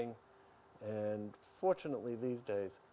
jadi bagaimana pendidikannya